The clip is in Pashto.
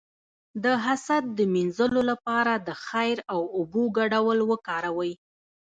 د حسد د مینځلو لپاره د خیر او اوبو ګډول وکاروئ